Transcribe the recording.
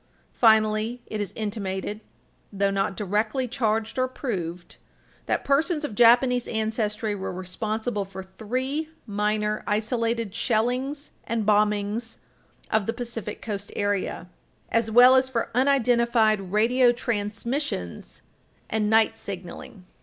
[Footnote 3/10] Finally, it is intimated, though not directly Page 323 U. S. 239 charged or proved, that persons of Japanese ancestry were responsible for three minor isolated shellings and bombings of the Pacific Coast area, [Footnote 3/11] as well as for unidentified radio transmissions and night signaling.